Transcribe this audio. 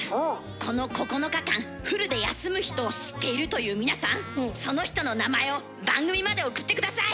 この９日間フルで休む人を知っているという皆さんその人の名前を番組まで送って下さい！